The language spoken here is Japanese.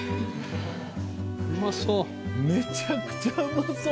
うまそう！